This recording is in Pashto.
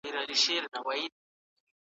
د سياسي او ټولنيزو علومو ترمنځ ډېر توپير نسته.